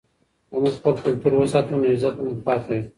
که موږ خپل کلتور وساتو نو عزت به مو پاتې وي.